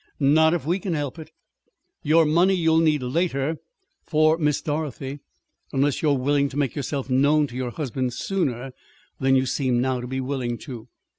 "Not if we can help it. Your money you'll need later for Miss Dorothy unless you are willing to make yourself known to your husband sooner than you seem now to be willing to.